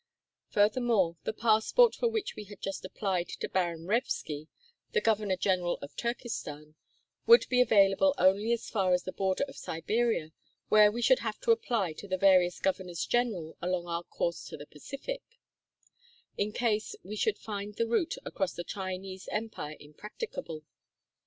Furthermore, the passport for which we had just applied to Baron Wrevsky, the Governor General of Turkestan, would be available only as far as the border of Siberia, where we should have to apply to the various governors general along our course to the Pacific, in case 106 Across Asia on a Bicycle we should find the route across the Chinese empire impracticable.